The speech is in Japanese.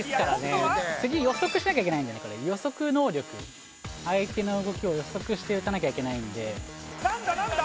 次予測しなきゃいけないんでねこれ予測能力相手の動きを予測して打たなきゃいけないんで何だ？